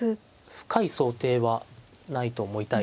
深い想定はないと思いたいですけどね。